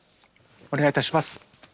お願いいたします。